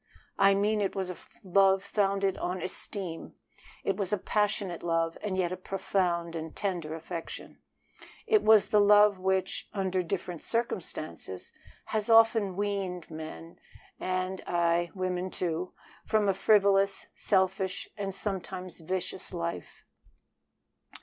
I mean it was a love founded on esteem; it was a passionate love, and yet a profound and tender affection. It was the love which, under different circumstances, has often weaned men, ay, and women, too, from a frivolous, selfish, and sometimes from a vicious life.